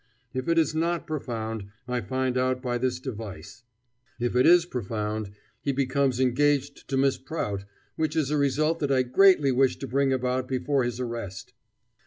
If it is not profound, I find out by this device; if it is profound, he becomes engaged to Miss Prout, which is a result that I greatly wish to bring about before his arrest.'"